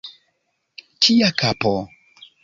Kia kapo!